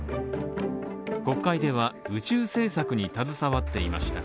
国会では、宇宙政策に携わっていました。